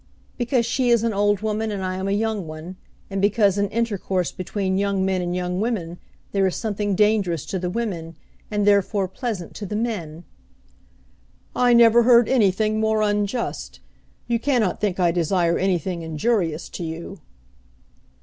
"Because she is an old woman and I am a young one, and because in intercourse between young men and young women there is something dangerous to the women and therefore pleasant to the men." "I never heard anything more unjust. You cannot think I desire anything injurious to you."